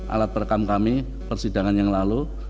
alat perekam kami persidangan yang lalu